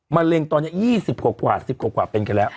มะเร็งตอนนี้๒๐กว่า๑๐กว่าเป็นกันแล้ว